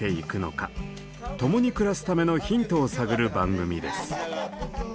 共に暮らすためのヒントを探る番組です。